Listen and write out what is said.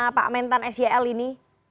mbak mentan sel ini